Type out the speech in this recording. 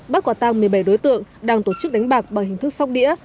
bắt quả tăng một mươi bảy đối tượng đang tổ chức đánh bạc bằng hình thức sóc đĩa